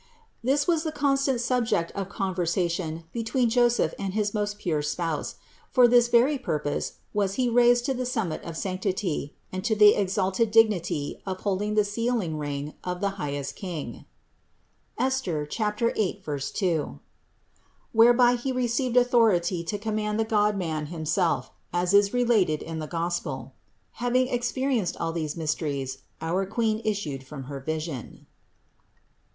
This was the constant subject of conversation between Joseph and his most pure Spouse; for this very purpose was he raised to the summit of sanctity, and to the exalted dignity of 66 CITY OF GOD holding the sealing ring of the highest King (Esther 8, 2), whereby he received authority to com mand the Godman himself, as is related in the Gospel. Having experienced all these mysteries, our Queen issued from her vision.